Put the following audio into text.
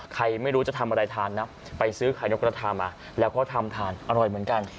ใครไม่รู้จะทำอะไรทานนะไปซื้อไข่นกกระทามาแล้วก็ทำทานอร่อยเหมือนกัน